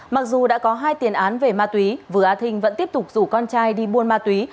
mặc dù đã có hai tiền án về ma túy vừa a thinh vẫn tiếp tục rủ con trai đi buôn ma túy